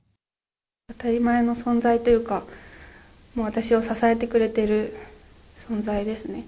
当たり前の存在というか、私を支えてくれてる存在ですね。